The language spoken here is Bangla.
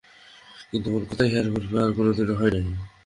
কিন্তু এমন কথা ইহার পূর্বে আর কোনোদিন হয় নাই।